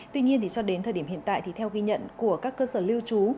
tuy nhiên cho đến thời điểm hiện tại thì theo ghi nhận của các cơ sở lưu trú